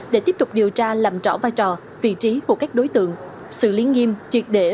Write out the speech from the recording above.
để tiếp tục điều tra làm rõ vai trò vị trí của các đối tượng sự liên nghiêm triệt để